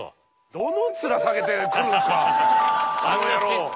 どの面下げて来るんすかあの野郎。